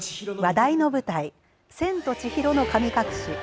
話題の舞台千と千尋の神隠し。